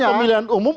peserta pemilihan umum